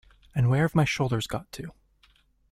And where have my shoulders got to?